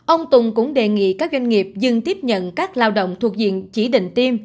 ông tùng cũng đề nghị các doanh nghiệp dừng tiếp nhận các lao động thuộc diện chỉ định tiêm